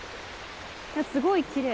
すごいきれい。